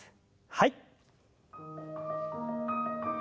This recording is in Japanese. はい。